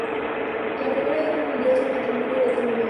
En la Primera Guerra Mundial su matrimonio había terminado.